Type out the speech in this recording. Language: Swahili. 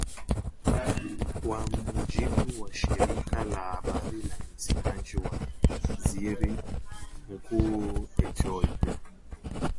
Kwa mujibu wa shirika la habari la msemaji wa waziri mkuu wa Ehiopia